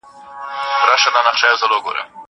کتابتون د زهشوم له خوا پاکيږي!